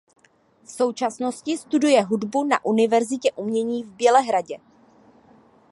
V současnosti studuje hudbu na univerzitě umění v Bělehradě.